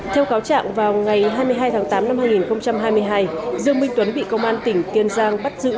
theo cáo trạng vào ngày hai mươi hai tháng tám năm hai nghìn hai mươi hai dương minh tuấn bị công an tỉnh kiên giang bắt giữ